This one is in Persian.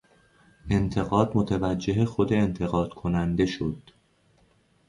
انتقاد متوجه خود انتقاد کننده شد.